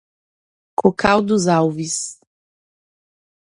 Cocal dos Alves